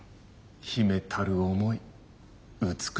秘めたる思い美しいものよ。